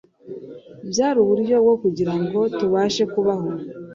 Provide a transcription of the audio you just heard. byari uburyo bwo kugira ngo tubashe kubaho